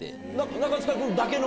中務君だけの？